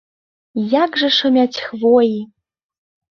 Як жа шумяць хвоі!